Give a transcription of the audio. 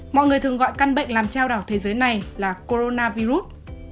mọi người thường gọi căn bệnh làm treo đảo thế giới này là coronavirus